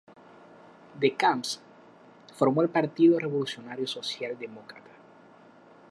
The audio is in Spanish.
De Camps formó el Partido Revolucionario Social Demócrata.